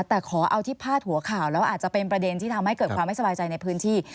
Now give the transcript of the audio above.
แต่ขอเอาที่พาดหัวข่าวแล้วอาจจะเป็นประเด็นที่ทำให้เกิดความไม่สบายใจในพื้นที่